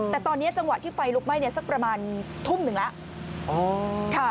แต่ตอนนี้จังหวะที่ไฟลุกไหม้สักประมาณทุ่มหนึ่งแล้ว